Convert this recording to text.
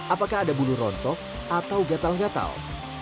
apakah ada bulu rontok atau gatal gatal